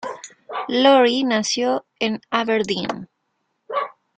Lawrie nació en Aberdeen.